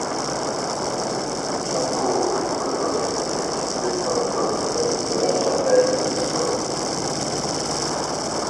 Le château des Feugerets est situé sur la commune de la Chapelle-Souëf.